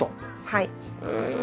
はい。